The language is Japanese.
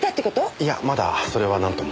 いやまだそれはなんとも。